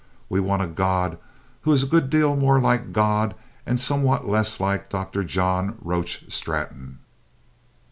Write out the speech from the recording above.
We want a God who is a good deal more like God and somewhat less like Dr. John Roach Straton.